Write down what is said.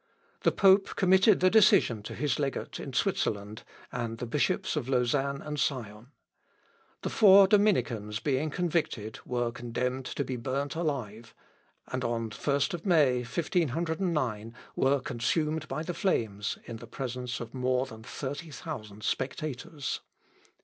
The pope committed the decision to his legate in Switzerland, and the bishops of Lausanne and Sion. The four Dominicans being convicted, were condemned to be burnt alive; and on the 1st May, 1509, were consumed by the flames, in presence of more than thirty thousand spectators.